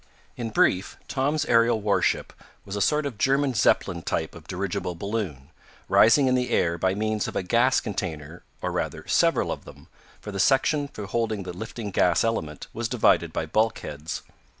In brief Tom's aerial warship was a sort of German Zeppelin type of dirigible balloon, rising in the air by means of a gas container, or, rather, several of them, for the section for holding the lifting gas element was divided by bulkheads.